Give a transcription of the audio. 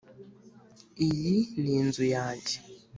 iyi ni inzu yanjye.